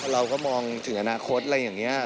เราก็มองถึงอนาคตอะไรอย่างนี้